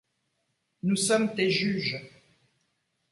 Nous sommes tes juges.